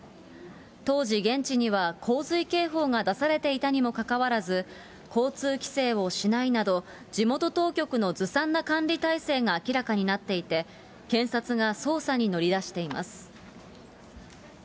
当時、現地には洪水警報が出されていたにもかかわらず、交通規制をしないなど、地元当局のずさんな管理体制が明らかになっていて、検察が捜査に乗りだしています。